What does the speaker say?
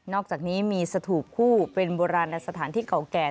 อกจากนี้มีสถูปคู่เป็นโบราณสถานที่เก่าแก่